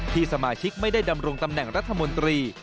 สมาชิกไม่ได้ดำรงตำแหน่งรัฐมนตรี